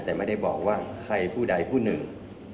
แต่ไม่ได้บอกว่าใครผู้ใดผู้หนึ่ง